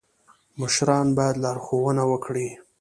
مشران باید لارښوونه وکړي